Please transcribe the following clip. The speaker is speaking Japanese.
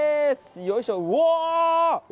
よいしょ、うおー。